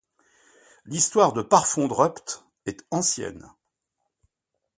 L'histoire de Parfondrupt est ancienne.